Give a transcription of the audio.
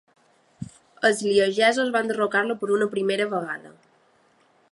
Els liegesos van derrocar-lo per una primera vegada.